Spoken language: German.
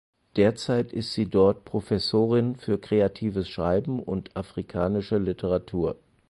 Derzeit ist sie dort Professorin für Kreatives Schreiben und Afrikanische Literatur.